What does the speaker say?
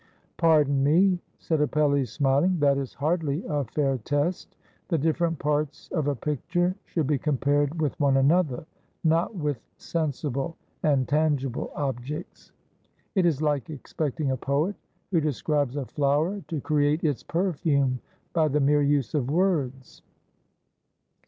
"Pardon me," said Apelles, smiHng, "that is hardly a fair test. The different parts of a picture should be com pared with one another, not with sensible and tangible objects. It is Hke expecting a poet, who describes a flower, to create its perfume by the mere use of words."